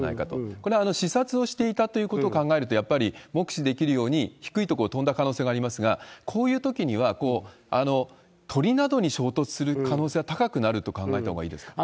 これ、視察をしていたということを考えると、やっぱり目視できるように低いとこを飛んだ可能性がありますが、こういうときには、鳥などに衝突する可能性は高くなると考えたほうがいいですか？